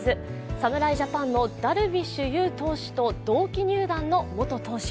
侍ジャパンのダルビッシュ有と同期入団の元投手。